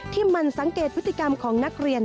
ที่มันสังเกตวิธีกรรมของนักเรียน